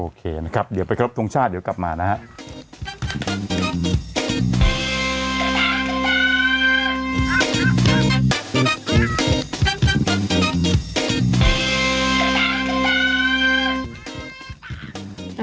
โอเคนะครับเดี๋ยวไปครบทรงชาติเดี๋ยวกลับมานะครับ